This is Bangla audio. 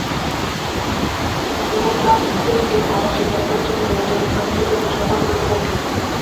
যেমন ট্রান্স প্যাসিফিক পার্টনারশিপ নামে পরিচিত বহুজাতিক বাণিজ্য চুক্তি সম্পাদনের বিপক্ষে।